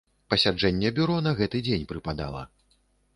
Пасяджэнне бюро на гэты дзень прыпадала.